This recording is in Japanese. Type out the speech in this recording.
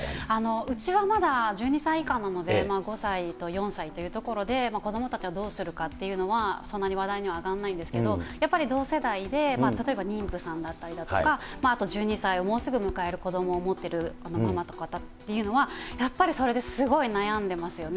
うちはまだ１２歳以下なので、５歳と４歳というところで、子どもたちをどうするかというのは、そんなに話題には上がらないんですけど、やっぱり同世代で、例えば妊婦さんだったりだとか、１２歳、もうすぐ迎える子どもを持ってるママとかというのは、やっぱりそれですごい悩んでますよね。